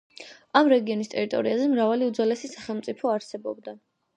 ამ რეგიონის ტერიტორიაზე მრავალი უძველესი სახელმწიფო არსებობდა.